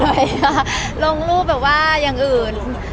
ว่าลงรูปว่ายังอื่น